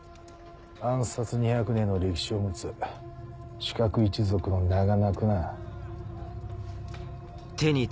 暗殺２００年の歴史を持つ刺客一族の名が泣くな。